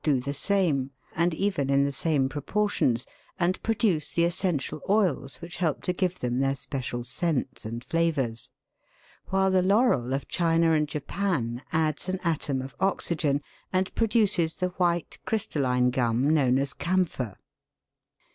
do the same, and even in the same proportions, and produce the essential oils which help to give them their special scents and flavours; while the laurel of China and Japan adds an atom of oxygen, and produces the white crystal line gum known as camphor.